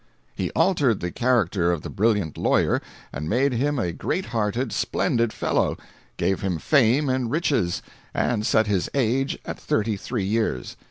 He altered the character of the brilliant lawyer, and made him a great hearted, splendid fellow; gave him fame and riches, and set his age at thirty three years.